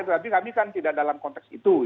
tetapi kami kan tidak dalam konteks itu